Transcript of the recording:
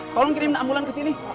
tolong kirim ambulan ke sini